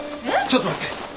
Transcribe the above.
ちょっと待って！